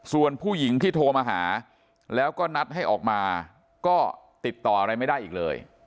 ส่วนผู้หญิงที่โทรมาหาแล้วก็นัดให้ออกมาก็ติดต่ออะไรไม่ได้อีกเลย